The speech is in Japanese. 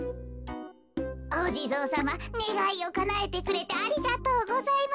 おじぞうさまねがいをかなえてくれてありがとうございます。